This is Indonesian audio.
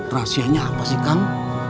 rahasianya apa sih kang